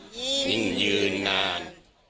ยิ่งยืนนาน